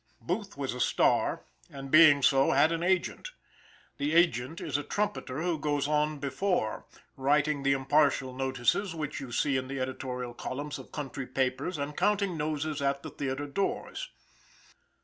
Booth was a star, and being so, had an agent. The agent is a trumpeter who goes on before, writing the impartial notices which you see in the editorial columns of country papers and counting noses at the theater doors.